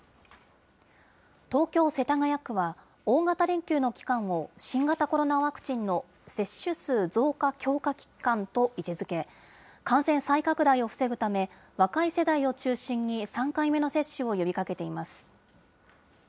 東京・世田谷区は、大型連休の期間を、新型コロナワクチンの接種数増加強化期間と位置づけ、感染再拡大を防ぐため、若い世代を中心に３回目の接種を呼びかけています。